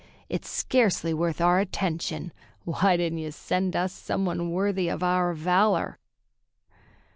It's scarcely worth our attention. Why didn't you send us some one worthy of our valor?"